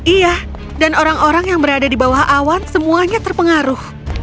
iya dan orang orang yang berada di bawah awan semuanya terpengaruh